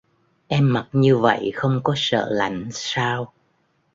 Em mặc như vậy không có sợ lạnh sao